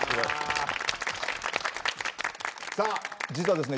さあ実はですね